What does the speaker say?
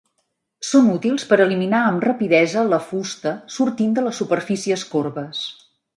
Són útils per eliminar amb rapidesa la fusta sortint de les superfícies corbes.